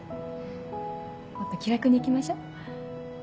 もっと気楽に行きましょ。